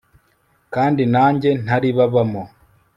kandi nanjye ntaribabamo